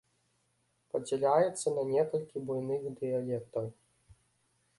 Падзяляецца на некалькі буйных дыялектаў.